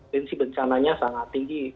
bencana bencana sangat tinggi